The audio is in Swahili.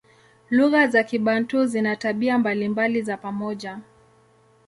Lugha za Kibantu zina tabia mbalimbali za pamoja.